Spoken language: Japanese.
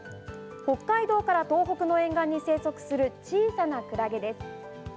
北海道から東北の沿岸に生息する小さなクラゲです。